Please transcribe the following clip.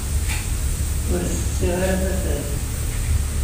Ur ssexsiɣ ara tafat.